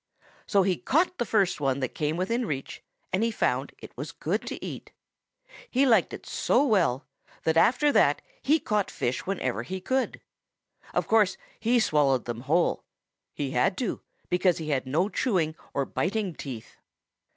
So he caught the first one that came within reach, and he found it was good to eat. He liked it so well that after that he caught fish whenever he could. Of course he swallowed them whole. He had to, because he had no chewing or biting teeth.